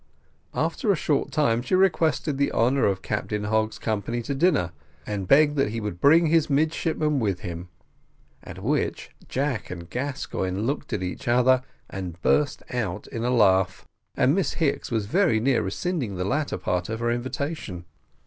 After a short time she requested the honour of Captain Hogg's company to dinner, and begged that he would bring his midshipmen with him, at which Jack and Gascoigne looked at each other and burst out in a laugh, and Miss Hicks was very near rescinding the latter part of her invitation.